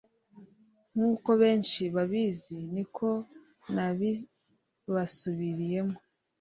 Nk'uko benshi babizi niko nabibasubiriyemo